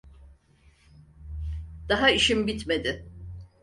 Daha işim bitmedi.